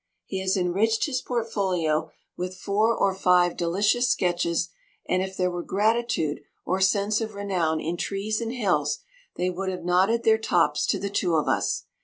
He has enriched his portfolio with four or five delicious sketches, and if there were gratitude or sense of renown in trees and hills, they would have nodded their tops to the two of us.